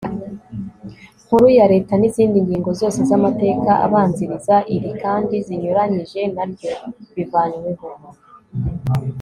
nkuru ya leta n'izindi ngingo zose z'amateka abanziriza iri kandi zinyuranyije na ryo bivanyweho